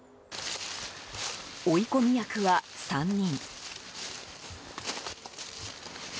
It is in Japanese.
追い込み役は３人。